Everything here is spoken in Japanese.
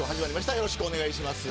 よろしくお願いします。